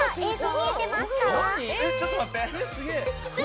えっちょっと待って。